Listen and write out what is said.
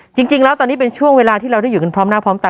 จริงแล้วตอนนี้เป็นช่วงเวลาที่เราได้อยู่กันพร้อมหน้าพร้อมตา